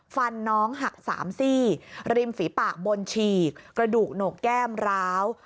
ฟันน้องหัก๓ซี่ริมฝีปากบนฉีกกระดูกโหนกแก้มร้าว